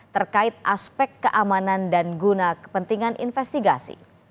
terkait aspek keamanan dan guna kepentingan investigasi